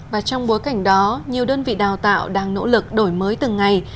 và trong bối cảnh đó nhiều đơn vị đào tạo đang nỗ lực đổi mới từng ngày